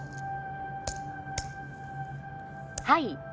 はい